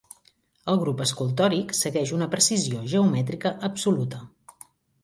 El grup escultòric segueix una precisió geomètrica absoluta.